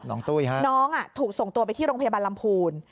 ตุ้ยฮะน้องถูกส่งตัวไปที่โรงพยาบาลลำพูน